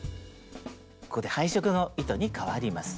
ここで配色の糸にかわります。